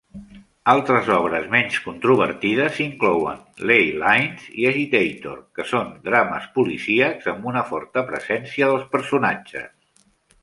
Altres obres menys controvertides inclouen "Ley Lines" i "Agitator", que són drames policíacs amb una forta presència dels personatges.